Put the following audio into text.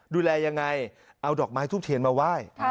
ดูแลยังไงเอาดอกไม้ทูบเทียนมาไหว้